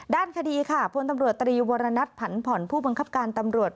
ด้านคดีค่ะพลตำรวจตรีวรณัฐผันผ่อนผู้บังคับการตำรวจ